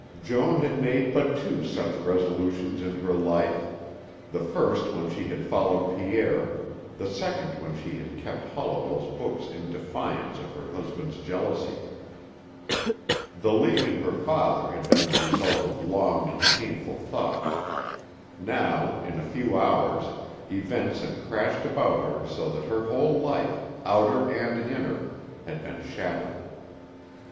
Joan had made but two such resolutions in her life; the first when she had followed Pierre, the second when she had kept Holliwell's books in defiance of her husband's jealousy. The leaving her father had been the result of long and painful thought. Now, in a few hours, events had crashed about her so that her whole life, outer and inner, had been shattered.